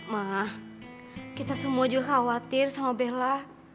mah kita semua juga khawatir sama bella